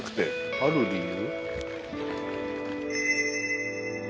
ある理由？